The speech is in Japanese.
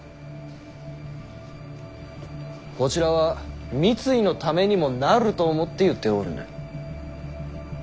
こちらは三井のためにもなると思って言っておるのだ。